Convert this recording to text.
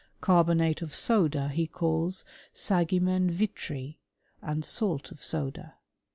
Carbonate of soda he calls sagimen vitri, and salt of soda.